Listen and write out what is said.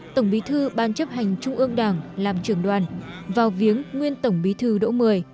tổng bí thư ban chấp hành trung ương đảng làm trưởng đoàn vào viếng nguyên tổng bí thư độ một mươi